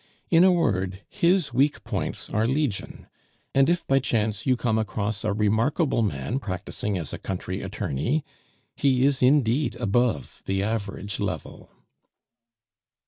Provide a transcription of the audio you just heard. In a word, his weak points are legion; and if by chance you come across a remarkable man practising as a country attorney, he is indeed above the average level.